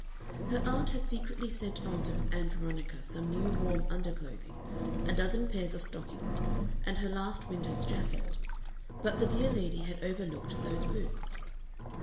Her aunt had secretly sent on to Ann Veronica some new warm underclothing, a dozen pairs of stockings, and her last winter's jacket, but the dear lady had overlooked those boots.